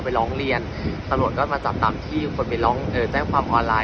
ไปร้องเรียนตำรวจก็มาจับตามที่คนไปร้องเออแจ้งความออนไลน